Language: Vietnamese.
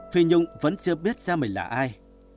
phi nhung vẫn chưa biết ra mình là ai